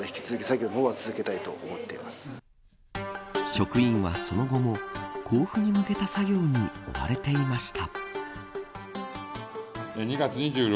職員はその後も交付に向けた作業に追われていました。